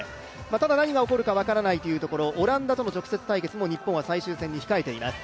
ただ、何が起こるか分からないというところ、オランダとの直接対決も日本、最終戦に控えています。